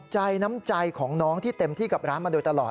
น้ำใจของน้องที่เต็มที่กับร้านมาโดยตลอด